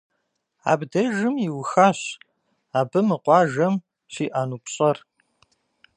Абдежым иухащ абы мы къуажэм щиӏэну пщӏэр.